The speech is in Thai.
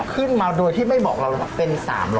ขึ้นมาโดยที่ไม่บอกเราเป็น๓๐๐